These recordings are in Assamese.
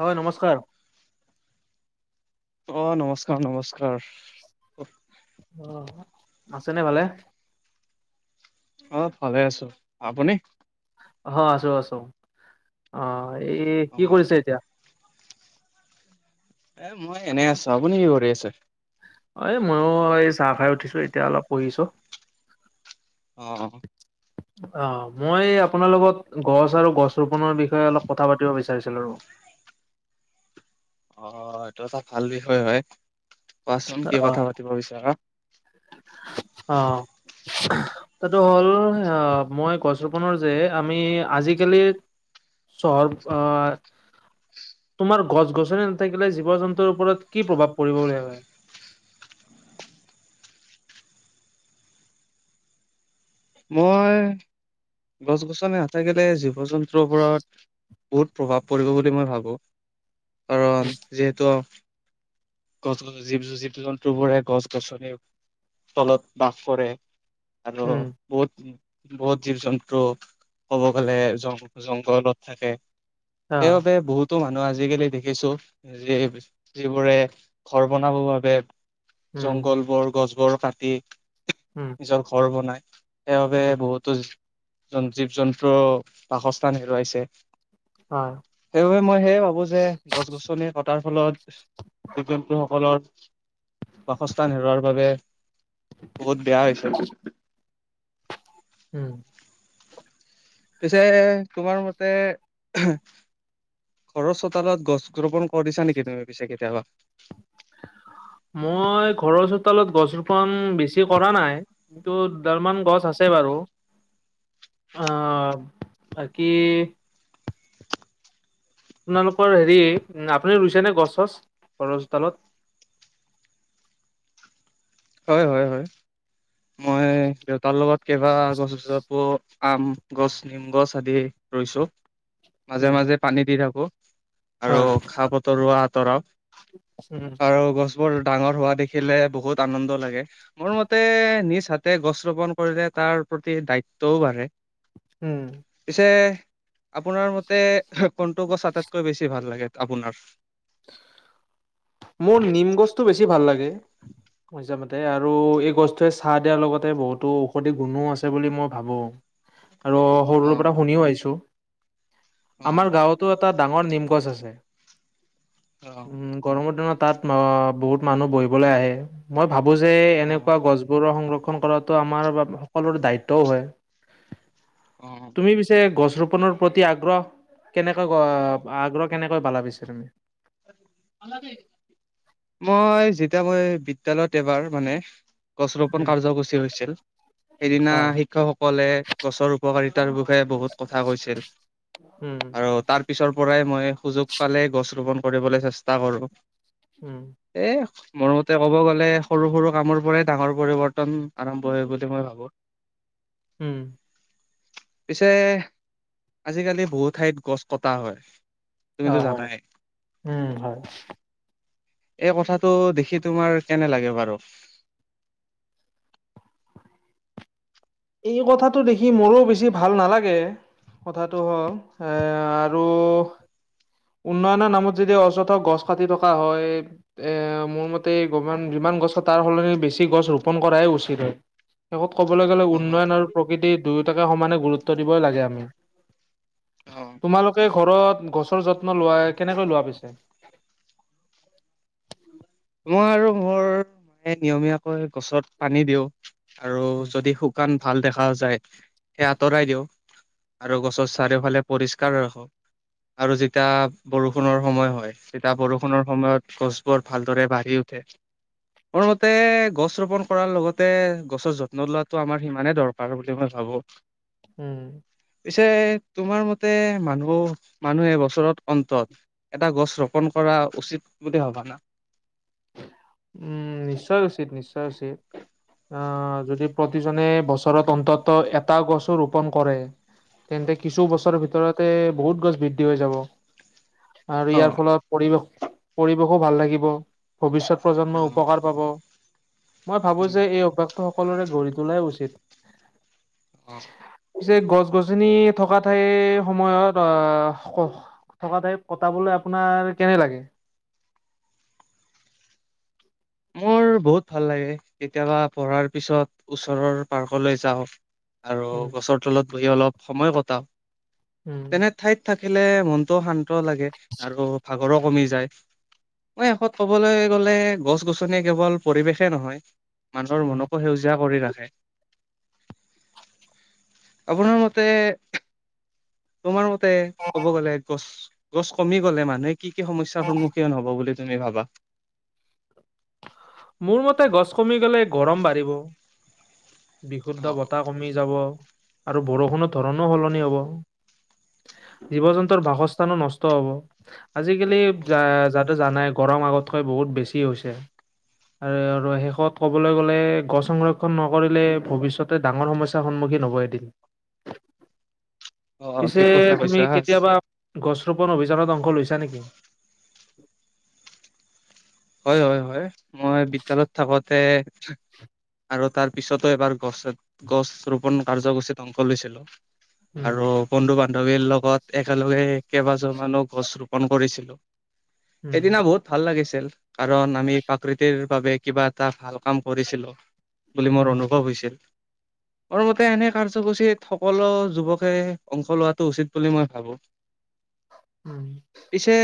হয় নমস্কাৰ। অহ নমস্কাৰ-নমস্কাৰ। অ আছেনে ভালে? অহ', ভালে আছো, আপুনি? অহ', আছো-আছো অহ, এই অ কি কৰিছে এতিয়া? এ মই এনে আছো আপুনি কি কৰি আছে? অহ, ময়ো এই চাহ খাই উঠিছো, এতিয়া অলপ পঢ়িছো। অ অহ', মই আপোনাৰ লগত গছ আৰু গছ ৰোপনৰৰ বিষয়ে অলপ কথা পাতিব বিচাৰিছিলো। [inaudible] অহ এইটো এটা ভাল বিষয় হয়, কোৱাচোন কি অ কথা পাতিব বিচাৰা? অহ', এটো হ'ল অহ মই গছৰোপণৰ যে, আমি আজিকালি চহৰ আ তোমাৰ গছ-গছনি নাথাকিলে জীৱ জন্তুৰ ওপৰত কি প্ৰভাৱ পৰিব বুলি ভাবে? মই, গছ-গছনি নাথাকিলে জীৱ জন্তুৰ ওপৰত বহুত প্ৰভাৱ পৰিব বুলি মই ভাবো, কাৰণ যিহেতু গছ-গছ জীৱ-জীৱ জন্তুবোৰে গছ-গছনিৰ তলত বাস কৰে। আৰু উম বহুত বহুত জীৱ জন্তু, ক'ব গ'লে জং-জংঘলত থাকে। অ সেইবাবে বহুতো মানুহ আজিকালি দেখিছো, যি যিবোৰে ঘৰ বনাব বাবে উম জংঘল বোৰ গছবোৰ কাটি উম নিজৰ ঘৰ বনাই, সেইবাবে উম বহুতো জীৱ-জন্তুও বাসস্থান হেৰুৱাইছে। হয় সেইবাবে মই সেয়ে ভাবো যে, গছ-গছনি কটাৰ ফলত সকলৰ বাসস্থান হেৰুৱাৰ বাবে বহুত বেয়া হৈছে। উহ। পিছে তোমাৰ মতে ঘৰৰ চোতালত গছ ৰোপন কৰিছা নেকি তুমি পিছে কেতিয়াবা? [unintelligible] মই ঘৰৰ চোতালত গছ ৰোপন বেছি কৰা নাই, কিন্তু দুডালমান গছ আছে বাৰু, অহ বাকী আপোনালোকৰ হেৰি আপুনি ৰুইছেনে গছ- চছ বৰগছডালত? [inaudible] হয় -হয় -হয় মই দেউতাৰ লগত কেইবা গছ [unintelligible] ক আম গছ, নিম গছ আদি ৰুইছোঁ উম মাজে- মাজে পানী দি থাকো আৰু হয় খা বতৰুৱা আঁতৰাও উম আৰু গছবোৰ ডাঙৰ হোৱা দেখিলে বহুত আনন্দ লাগে মোৰ মতে নিজ হাতে গছ ৰোপন কৰিলে তাৰ প্ৰতি দায়িত্বও বাঢ়ে উম পিছে আপোনাৰ মতে কোনটো গছ আটাইতকৈ বেছি ভাল লাগে আপোনাৰ? মোৰ নিম গছটো বেছি ভাল লাগে। মইামতে আৰু এই গছটোৱে চাহ দিয়াৰ লগতে বহুতো ঔষধি গুণো আছে বুলি মই ভাবো। আৰু সৰুৰ অ', পৰা শুনিও আহিছো। অ', আমাৰ গাঁৱতো এটা ডাঙৰ নিমগছ আছে। অ'। মোৰটো ন 'তাত ন' বহুত মানুহ বহিবলৈ আহে মই ভাবো যে অ', এনেকুৱা গছবোৰৰ সংৰক্ষ ৰক্ষণ কৰাটো আমাৰ বা সকলোৰে দায়িত্বও হয়। অ'। তুমি পিছে গছ গছ ৰোপনৰ প্ৰতি আগ্ৰহ কেনেকৈ আগ্ৰহ কেনেকৈ পালা পিছে তুমি? [unintelligible] মই যেতিয়া মই বিদ্যয়ালয়ত এবাৰ মানে গছ ৰোপন উম, কাৰ্যসূচী হৈছিল সেইদিনা অ'। শিক্ষকসকলে গছৰ উপকাৰিতা তাৰ বিষয়ে বহুত কথা কৈছিল উম, আৰু তাৰ পিছৰ পৰাই মই সুযোগ পালে গছ ৰোপন কৰিবলৈ চেষ্টা কৰো উম, এ মোৰ মতে ক'ব গ'লে সৰু সৰু কামৰ পৰাই ডাঙৰ পৰিৱৰ্তন আৰম্ভ হয় বুলি মই ভাবোঁ। উম। পিছে আজিকালি বহুত ঠাইত গছ কটা হয়। তুমিতো অ', হয়, জানাই। উম হয়। এই কথাটো দেখি তোমাৰ কেনে লাগে বাৰু। [inaudible] এই কথাটো দেখি মোৰো বেছি ভাল নালাগে। কথাটো হ'ল এ আৰু উন্নয়নৰ নামত যদি অযথ গছ কাটি থকা হয় এ মোৰ মতে গ যিমান গছত তাৰ সলনি বেছি গছ ৰোপণ কৰাই উচিত হয়। শেষত ক'বলৈ গ'লে অ উন্নয়ন আৰু প্ৰকৃতিৰ দুয়োটাকে সমানে গুৰুত্ব দিবই লাগে আমি। অ তোমালোকে ঘৰত গছৰ যত্ন লোৱা কেনেকৈ লোৱা পিছে? মই আৰু মোৰ মায়ে নিয়মীয়াকৈ গছত পানী দিওঁ আৰু যদি শুকান ভাল দেখা যায় সেই আঁতৰাই দিওঁ। আৰু গছৰ চাৰিওফালে পৰিষ্কাৰ ৰাখো। আৰু যেতিয়া বৰষুণৰ সময় হয় তেতিয়া বৰষুণৰ সময়ত গছ বৰ ভালদৰে বাঢ়ি উঠে মোৰ মতে গছ ৰোপন কৰাৰ লগতে গছৰ যত্ন লোৱাটো আমাৰ সিমানে দৰকাৰ বুলি মই ভাবো। হব। হম। পিছে তোমাৰ মতে মানুহ মানুহে বছৰত অন্তত এটা গছ ৰোপন কৰা উচিত বুলি ভবানা? উম নিশ্চয় উচিত নিশ্চয় উচিত। আহ যদি প্ৰতিজনে বছৰত অন্তত এটা গছো ৰোপন কৰে তেন্তে কিছু বছৰৰ ভিতৰতে বহুত গছ বৃদ্ধি হৈ যাব। আৰু ইয়াৰ অ', ফলত পৰিৱেশ পৰিৱেশো ভাল লাগিব। ভৱিষ্যত প্ৰজন্মই অ', উপকাৰ পাব। মই ভাবোঁ উম, যে এই অভ্যাসটো সকলোৰে গঢ়ি তোলাই উচিত। অ। পিছে গছ গছনি থকা ঠাইৰ সময়ত আহ ক থকা টাইপ কটাবলৈ আপোনাৰ কেনে লাগে? মোৰ বহুত ভাল লাগে কেতিয়াবা পঢ়াৰ পিছত ওচৰৰ পাৰ্কলৈ যাওঁ আৰু উম, গছৰ তলত বহি অলপ সময় কটাও উম, তেনে ঠাইত থাকে খিলে মনতটোও শান্ত লাগে আৰু ভাগৰো কমি য মই শেষত কবলৈ গ'লে গছ গছনি কেৱল পৰিৱেশে নহয় মানুহৰ উম, মনকো সেউজীয়া কৰি ৰাখে। আপোনাৰ মতে তোমাৰ মতে ক'ব গ'লে গছ গছ কমি গ'লে মানুহে কি কি সমস্যাৰ সন্মুখীন হ'ব বুলি তুমি ভাবা? মোৰ মতে গছ কমি গলে গৰম বাঢ়িব। বিশুদ্ধ অ' বতাহ কমি যাব আৰু বৰষুণৰ ধৰণো সলনি হ'ব। জীৱ জন্তুৰ বাসস্থানো নষ্ট হব। আজিকালি য যতে জানাই গৰম আগতকৈ বহুত বেছি হৈছে। আৰু শেষত ক'বলৈ গ'লে গছ সংৰক্ষণ নকৰিলে ভৱিষ্যতে ডাঙৰ সমস্যাৰ সন্মুখীন হ'ব। অ', পিছে ঠিক কথা তুমি কৈছা। কেতিয়াবা গছ ৰোপণ অভিযানত অংশ লৈছে নেকি? হয় হয় হয় মই বিদ্যালয়ত থাকোতে আৰু তাৰ পিছতো এবাৰ গছ গছ ৰোপন কাৰ্যসূচীত অংশ লৈছিলো। উম, আৰু বন্ধু ব বান্ধৱীৰ লগত একেলগে কেইবাজোমানো গছ ৰোপন কৰিছিলোঁ উম, সেই দিনা বহুত ভাল লাগিছিল কাৰণ আমি প্ৰাকৃতিৰ বাবে কিবা এটা ভাল কাম কৰিছিলো বুলি মোৰ উম, অনুভৱ হৈছিল [inaudible] মোৰমতে এনে কাৰ্যসূচীত সকলো যুৱকে অংশ লোৱাটো উচিত বুলি মই ভাবো উম। পিছে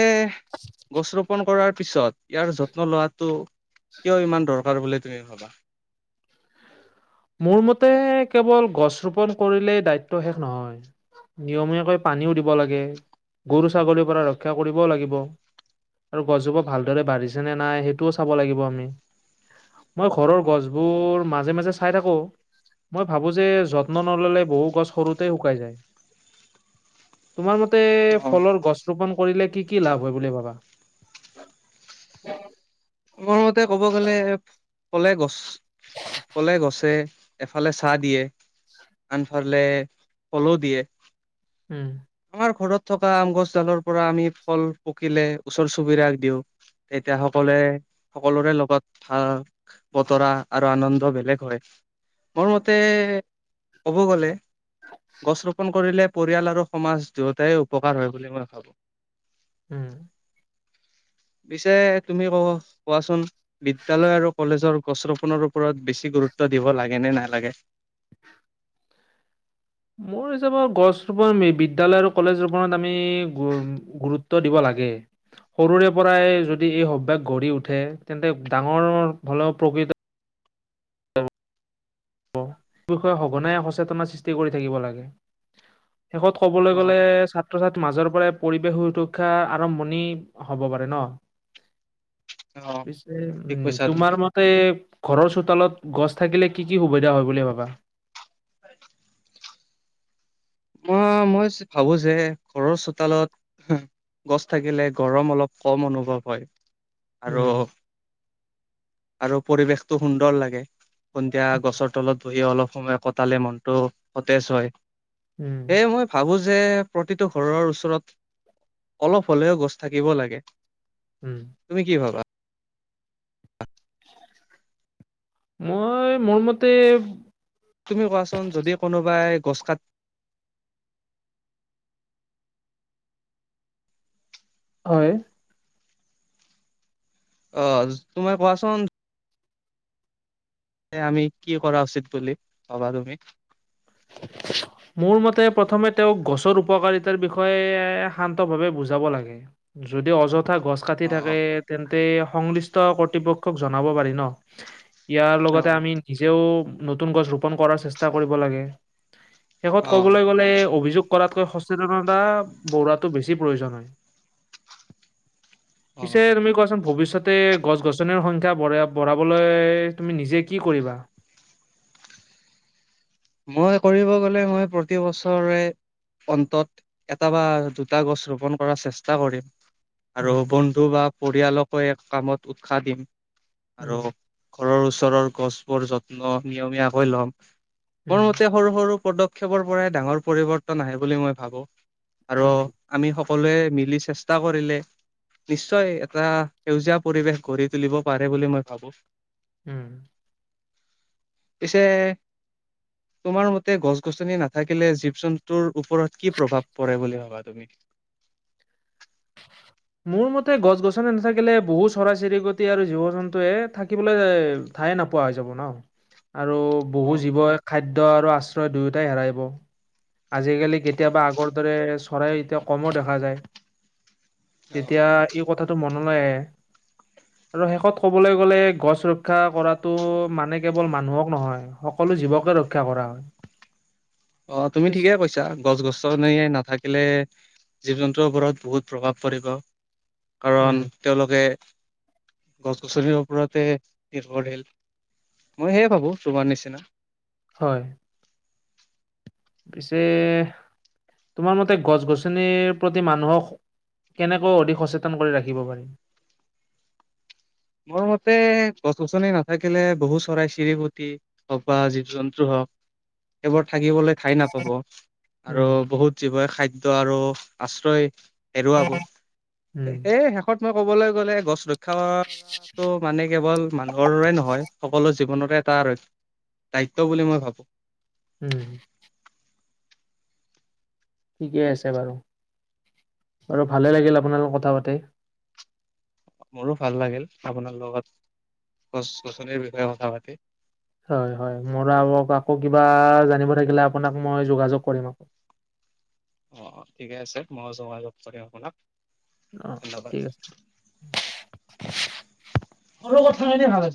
গছ ৰোপন কৰাৰ পিছত ইয়াৰ যত্ন লোৱাটো কিয় ইমান দৰকাৰ বুলি তুমি ভাবা মোৰ মতে কেৱল গছ ৰোপন কৰিলেই দায়িত্ব শেষ নহয় নিয়মীয়াকৈ পানীও দিব লাগে গৰু ছাগলীৰ পৰা ৰক্ষা কৰিবও লাগিব আৰু গছজোপা ভালদৰে বাঢ়িছে নে নাই সেইটোও চাব লাগিব আমি মই ঘৰৰ অ গছবোৰ মাজে মাজে চাই থাকো মই ভাবো যে যত্ন নললে বহু গছ সৰুতে শুকাই যায় তোমাৰ মতে অ ফলৰ গছ ৰোপন কৰিলে কি কি লাভ হয় বুলি ভাবা মোৰ মতে ক'ব গ'লে কলে গছ কলে গছে এফালে চাহ দিয়ে আনফালে ফলো দিয়ে উম, আমাৰ ঘৰত থকা আম গছ ডালৰ পৰা আমি ফল পকিলে ওচৰ চুবুৰীয়াক দিও এতিয়া সকলোৱে সকলোৰে লগত ভাগ বতৰা আৰু আনন্দ বেলেগ হয় মোৰ মতে ক'ব গলে গছ ৰোপন কৰিলে পৰিয়াল আৰু সমাজ দুয়োটাই উপকাৰ হয় বুলি মই ভাবো উম পিছে তুমি ক কোৱাচোন বিদ্যালয় আৰু কলেজৰ গছ ৰোপনৰ ওপৰত বেছি গুৰুত্ব গুৰুত্ব দিব লাগে নে নালাগে [inaudible] মোৰ হিচাপত গছ ৰোপন বিদ্যালয় আৰু কলেজ ৰোপনত আমি গুৰুত্ব দিব লাগে আগে সৰুৰে পৰাই যদি এই সভ্যাস গঢ়ি উঠে তেন্তে ডাঙৰ হলেও প্ৰকৃত স বিষয়ে সঘনাই সচেতন সৃষ্টি কৰি থাকিব লাগে। শেষত ক'বলৈ অ', গ'লে ছাত্ৰ ছাত্ৰীৰ মাজৰ পৰাই পৰিৱেশ সুৰক্ষাৰ আৰম্ভণি হব পাৰে ন। অ', পিছে ঠিক উম কৈছা তোমাৰ তুমি। মতে ঘৰৰ চোতালত গছ থাকিলে কি কি সুবিধা হয় বুলি ভাবা মই মই ভাবো যে ঘৰৰ চোতালত গছ থাকিলে গৰম অলপ কম অনুভৱ হয়। আৰু উম, আৰু পৰিৱেশটো সুন্দৰ লাগে। সন্ধিয়া গছৰ তলত বহি অলপ সময় কটালে মনটো সতেজ হয়। উম, এই মই ভাবো যে প্ৰতিটো ঘৰৰ ওচৰত অলপ হ'লেও গছ থাকিব লাগে। উম, তুমি কি ভাবা মই মোৰ মতে তুমি কোৱাচোন যদি কোনোবাই গছ কাত হয় অ তুমি কোৱাচোন? আমি কি কৰা উচিত বুলি ভাবা তুমি। [inaudible] মোৰ মতে প্ৰথমে তেওঁক গছৰ উপকাৰিতাৰ বিষয়ে শান্ত ভাৱে বুজাব লাগে। যদি অযথ কথা গছ কাটি অ'। থাকে তেন্তে সংলিষ্ট কৰ্তৃপক্ষক জনাব পাৰি ন। ইয়াৰ লগতে অ', আমি নিজেও নতুন গছ ৰোপন কৰাৰ চেষ্টা কৰিব লাগে। শেষত অ', ক'বলৈ গ'লে অভিযোগ কৰাতকৈ সচেতনতা বঢ়োৱাটো বেছি প্ৰয়োজন হয়। পিছে অ', তুমি কোৱাচোন ভৱিষ্যত তে গছ গছনিৰ সংখ্যা বঢ়াবলৈ তুমি নিজে কি কৰিবা? [inaudible] মই কৰিব গলে মই প্ৰতি বছৰে অন্তত এটা বা দুটা গছ ৰোপন কৰ চেষ্টা কৰিম। আৰু উম, বন্ধু বা পৰিয়ালকো কামত উৎসাহ দিম উম, আৰু ঘৰৰ ওচৰৰ গছবোৰ যত্ন নিয়মীয়াকৈ লম মোৰ উম, মতে সৰু সৰু পক্ষপৰ পৰাই ডাঙৰ পৰিৱৰ্তন আহ বুলি মই ভাবো আৰু উম, আমি সকলোৱে মিলি চেষ্টা কৰিলে নিশ্চয় এটা সেউজীয়া পৰিৱেশ গঢ়ি তুলিব পাৰে বুলি মই ভাবো। উম পিছে তোমাৰ মতে গছ গছনি নাথাকিলে জীৱ জন্তুৰ ওপৰত কি প্ৰভাৱ পৰে বুলি ভাবা তুমি? মোৰ মতে গছ গছনি নাথাকিলে বহু চৰাই চিৰিকতি গছ আৰু জীৱ জন্তুৱে থাকিবলৈ ঠায়ে নোপোৱা হৈ যাব ন আৰু বহু অ', জীৱই খাদ্য আৰু আশ্ৰয় দুয়োটাই হেৰাইব। আজিকালি অ', কেতিয়াবা আগৰ দৰে চৰাই এতিয়া কমো দেখা যায়। অ', তেতিয়া এই কথাটো মনলৈ আহে আৰু শেষত কবলৈ গ'লে গছ ৰক্ষা কৰাটো মানে কেৱল মানুহক নহয় সকলো সকলো জীৱকে ৰক্ষা কৰা হয়। অ তুমি পিছ ঠিকে কৈছা গছ গছনি নাথাকিলে জীৱ জন্তু ৰত বহুত প্ৰভাৱ পৰিব কাৰণ উম, তেওঁলোকে গছ গছনিৰ ওপৰতে নিৰ্ভৰশীল মই সেয়ে ভাবো তোমাৰ নিচিনা হয় পিছে তোমাৰ মতে গছ গছনিৰ প্ৰতি মানুহক কেনেকৈও অধিক সচেতন কৰি ৰাখিব পাৰি? মোৰ মতে গছ গছনি নাথাকিলে বহু চৰাই চিৰীকুটি হওক বা জীৱ জন্তু হওক সেবোৰ থাকিবলে খাই নাপাব আৰু উম, বহুত জীৱ খাদ্য আৰু আশ্ৰয় হেৰুৱাব, উম। সেই শেষত মই কবলৈ গ'লে গছ ৰক্ষা ত ' মানে কেৱল মানুহৰৰে নহয় সকলো জীৱনৰে এটা দায়িত্ব বুলি মই ভাবোঁ। উম ঠিকে আছে বাৰু। আৰু ভালে লাগিল আপোনাৰ লগত কথা পাতি। মোৰো ভাল লাগিল আপোনাৰ লগত গছ গছনিৰ বিষয়ে কথা পাতি। হয় হয় মোৰ আকৌ কিবা জানিব থাকিলে আপোনাক মই যোগাযোগ কৰিম অ। [inaudible] অ অ ঠিকে আছে মই যোগাযোগ কৰিম আপোনাক। অ', ধন্যবাদ ঠিক আছে। সৰু কথা হেৰে ভাল আছিল।